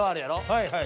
はいはい。